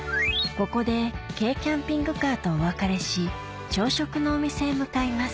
ここで軽キャンピングカーとお別れし朝食のお店へ向かいます